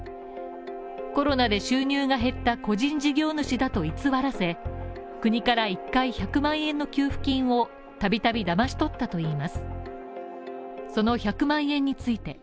コロナで収入が減った個人事業主だと偽らせ国から１回１００万円の給付金をたびたびだまし取ったといいます。